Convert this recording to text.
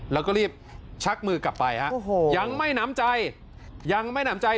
แล้วก็รีบชักมือกลับไปฮะโอ้โหยังไม่น้ำใจยังไม่หนำใจ